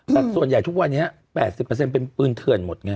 แต่ส่วนใหญ่ทุกวันนี้๘๐เป็นปืนเถื่อนหมดไง